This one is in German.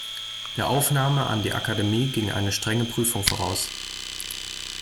Der Aufnahme an die Akademie ging eine strenge Prüfung voraus.